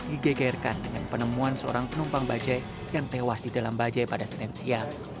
digegerkan dengan penemuan seorang penumpang bajai yang tewas di dalam bajai pada senin siang